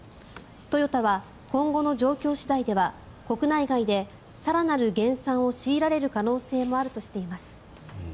トヨタは今後の状況次第では国内外で更なる減産を強いられる可能性もあるとしています。